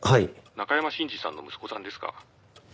「中山信二さんの息子さんですか？」